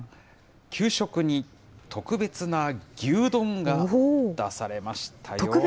給食に特別な牛丼が出されましたよ。